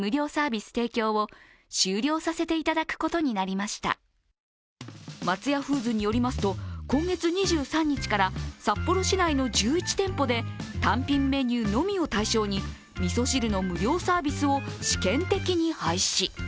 しかし松屋フーズによりますと今月２３日から札幌市内の１１店舗で単品メニューのみを対象に、みそ汁の無料サービスを試験的に廃止。